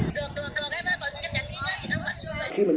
có những cái nhắn chí nữa thì nó vẫn chứ